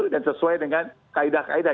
sesuai dengan kaedah kaedah